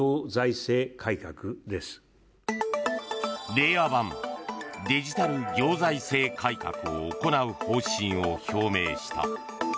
令和版デジタル行財政改革を行う方針を表明した。